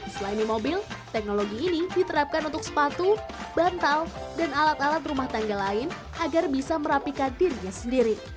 selain di mobil teknologi ini diterapkan untuk sepatu bantal dan alat alat rumah tangga lain agar bisa merapikan dirinya sendiri